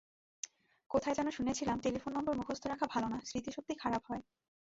কোথায় যেন শুনেছিলাম টেলিফোন নম্বর মুখস্থ রাখা ভালো না, স্মৃতিশক্তি খারাপ হয়।